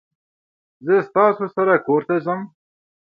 زه ستاسو سره کورته ځم